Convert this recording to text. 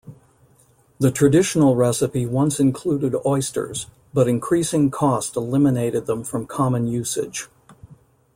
The traditional recipe once included oysters, but increasing cost eliminated them from common usage.